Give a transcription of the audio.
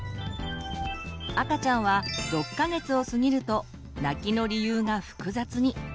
赤ちゃんは６か月を過ぎると泣きの理由が複雑に。